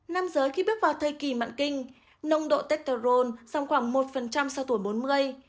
nam giới khi bước vào thời kỳ mạng kinh nồng độ tétterol giảm khoảng một sau tuổi bốn mươi